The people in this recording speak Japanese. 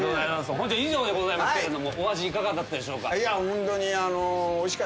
本日以上でございますけれどもお味いかがだったでしょうか？